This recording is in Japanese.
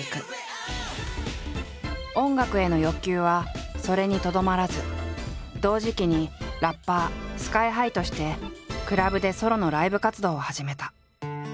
音楽への欲求はそれにとどまらず同時期にラッパーＳＫＹ−ＨＩとしてクラブでソロのライブ活動を始めた。